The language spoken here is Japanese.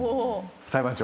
裁判長。